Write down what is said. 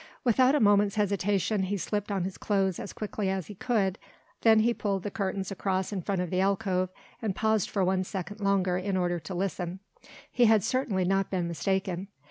Without a moment's hesitation he slipped on his clothes as quickly as he could, then he pulled the curtains across in front of the alcove and paused for one second longer in order to listen. He had certainly not been mistaken.